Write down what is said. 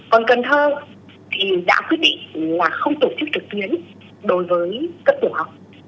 còn cần thơ thì đã quyết định là không tổ chức trực tuyến đối với cấp tiểu học